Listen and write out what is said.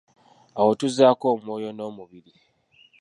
Awo tuzzaako omwoyo n'omubiri.